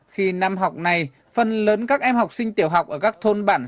khi năm học này phần lớn các em học sinh tiểu học ở các thôn bản